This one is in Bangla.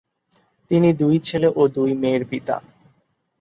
তিনি দুই ছেলে ও দুই মেয়ের পিতা।